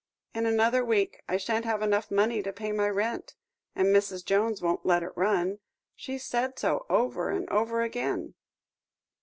In another week, I shan't have enough money to pay my rent; and Mrs. Jones won't let it run; she's said so over and over again."